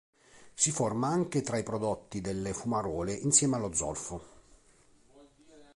Si forma anche tra i prodotti delle fumarole insieme allo zolfo.